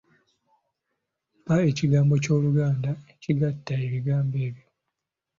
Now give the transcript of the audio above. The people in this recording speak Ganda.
Mpa ekigambo ky'Oluganda ekigatta ebigambo ebyo.